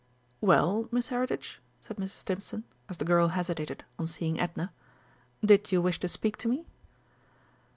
"Well, Miss Heritage?" said Mrs. Stimpson, as the girl hesitated on seeing Edna. "Did you wish to speak to me?"